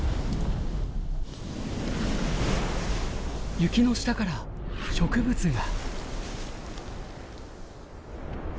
雪の下から植物が。